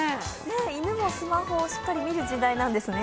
犬もスマホをしっかり見る時代なんですね。